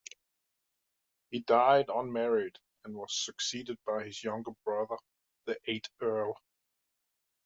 He died unmarried and was succeeded by his younger brother, the eighth Earl.